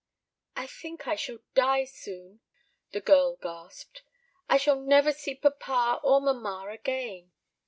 "I think I shall die soon," the girl gasped. "I shall never see papa or mamma again.